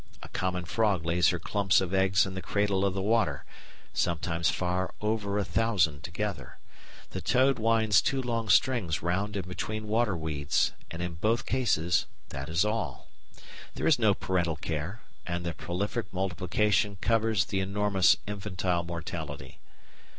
A common frog lays her clumps of eggs in the cradle of the water, sometimes far over a thousand together; the toad winds two long strings round and between water weeds; and in both cases that is all. There is no parental care, and the prolific multiplication covers the enormous infantile mortality.